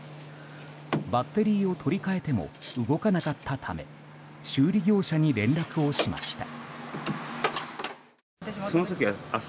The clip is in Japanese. バッテリーを取り換えても動かなかったため修理業者に連絡をしました。